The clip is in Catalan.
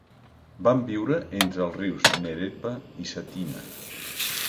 Van viure entre els rius Neretva i Cetina.